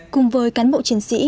cùng với cán bộ chiến sĩ